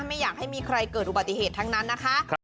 ไม่อยากให้มีใครเกิดอุบัติเหตุทั้งนั้นนะคะ